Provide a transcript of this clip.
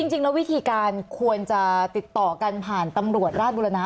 วิธีการควรจะติดต่อกันผ่านตำรวจราชบุรณะ